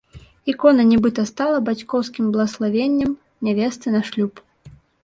Ікона нібыта стала бацькоўскім блаславеннем нявесты на шлюб.